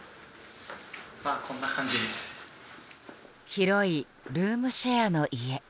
広いルームシェアの家。